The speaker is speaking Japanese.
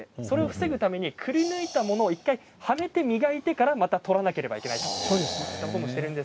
それを防ぐためにくりぬいたものを１回はめて磨いてからまた取らなければいけないと。